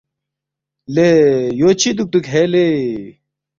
”لے یو چی دُوکتُوک ہے لے؟“